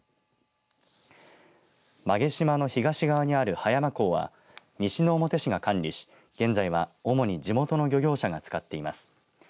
馬毛島の東側にある葉山港は西之表市が管理し、現在は主に地元の漁業者が使っています。